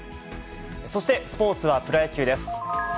そしてスポーツはプロ野球です。